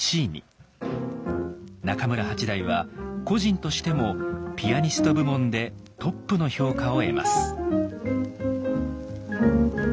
中村八大は個人としてもピアニスト部門でトップの評価を得ます。